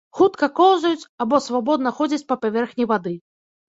Хутка коўзаюць або свабодна ходзяць па паверхні вады.